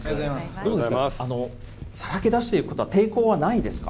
どうですか、さらけ出していくことは抵抗はないですか？